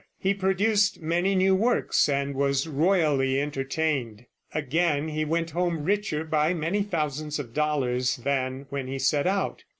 He produced many new works, and was royally entertained. Again he went home richer by many thousands of dollars than when he set out.